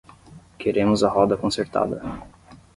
Queremos a roda consertada.